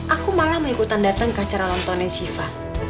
aku malah mau ikutan datang ke acara lontongnya siva